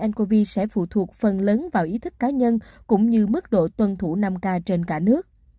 ncov sẽ phụ thuộc phần lớn vào ý thức cá nhân cũng như mức độ tuân thủ năm k trên cả nước